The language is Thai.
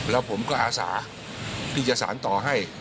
แล้วผมก็อาสาที่จะสารต่อให้